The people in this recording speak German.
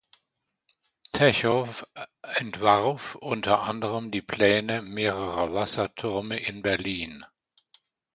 Techow entwarf unter anderem die Pläne mehrerer Wassertürme in Berlin.